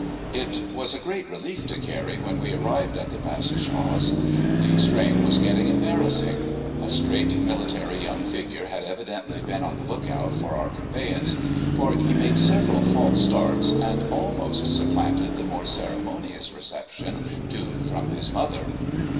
It was a great relief to Carrie when we arrived at the Bassishaws'. The strain was getting embarrassing. A straight military young figure had evidently been on the look out for our conveyance, for he made several false starts, and almost supplanted the more ceremonious reception due from his mother.